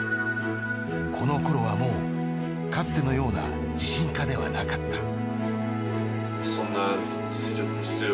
この頃はもうかつてのような自信家ではなかった。